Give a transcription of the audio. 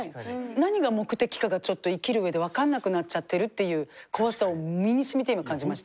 何が目的かがちょっと生きる上で分かんなくなっちゃってるっていう怖さを身にしみて今感じました。